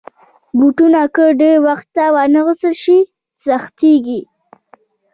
بوټونه که ډېر وخته وانهغوستل شي، سختېږي.